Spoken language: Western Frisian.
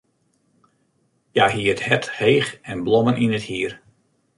Hja hie it hert heech en blommen yn it hier.